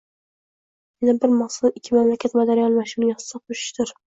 Yana bir maqsadim ikki mamlakat madaniy almashinuviga hissa qo`shishdir